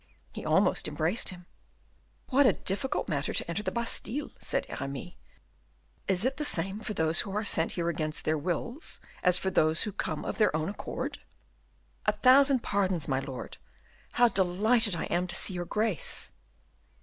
He almost embraced him. "What a difficult matter to enter the Bastile!" said Aramis. "Is it the same for those who are sent here against their wills, as for those who come of their own accord?" "A thousand pardons, my lord. How delighted I am to see your Grace!"